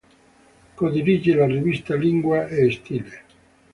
Co-dirige la rivista "Lingua e stile".